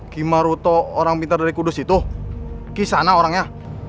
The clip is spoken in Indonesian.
ki maruto orang pintar dari kudus itu ki sana orangnya